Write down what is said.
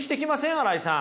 新井さん。